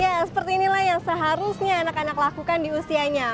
ya seperti inilah yang seharusnya anak anak lakukan di usianya